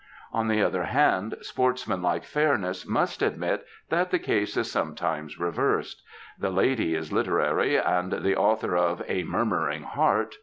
On the other hand, sportsmanlike fairness must admit that the case is sometimes reversed. The lady is literary, and the author of A Murmuring Heart.